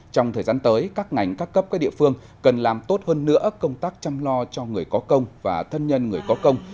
trong thời gian tới các ngành các cấp các địa phương cần làm tốt hơn nữa công tác chăm lo cho người có công và thân nhân người có công